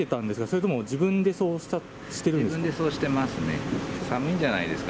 それとも自分でそうしてるんです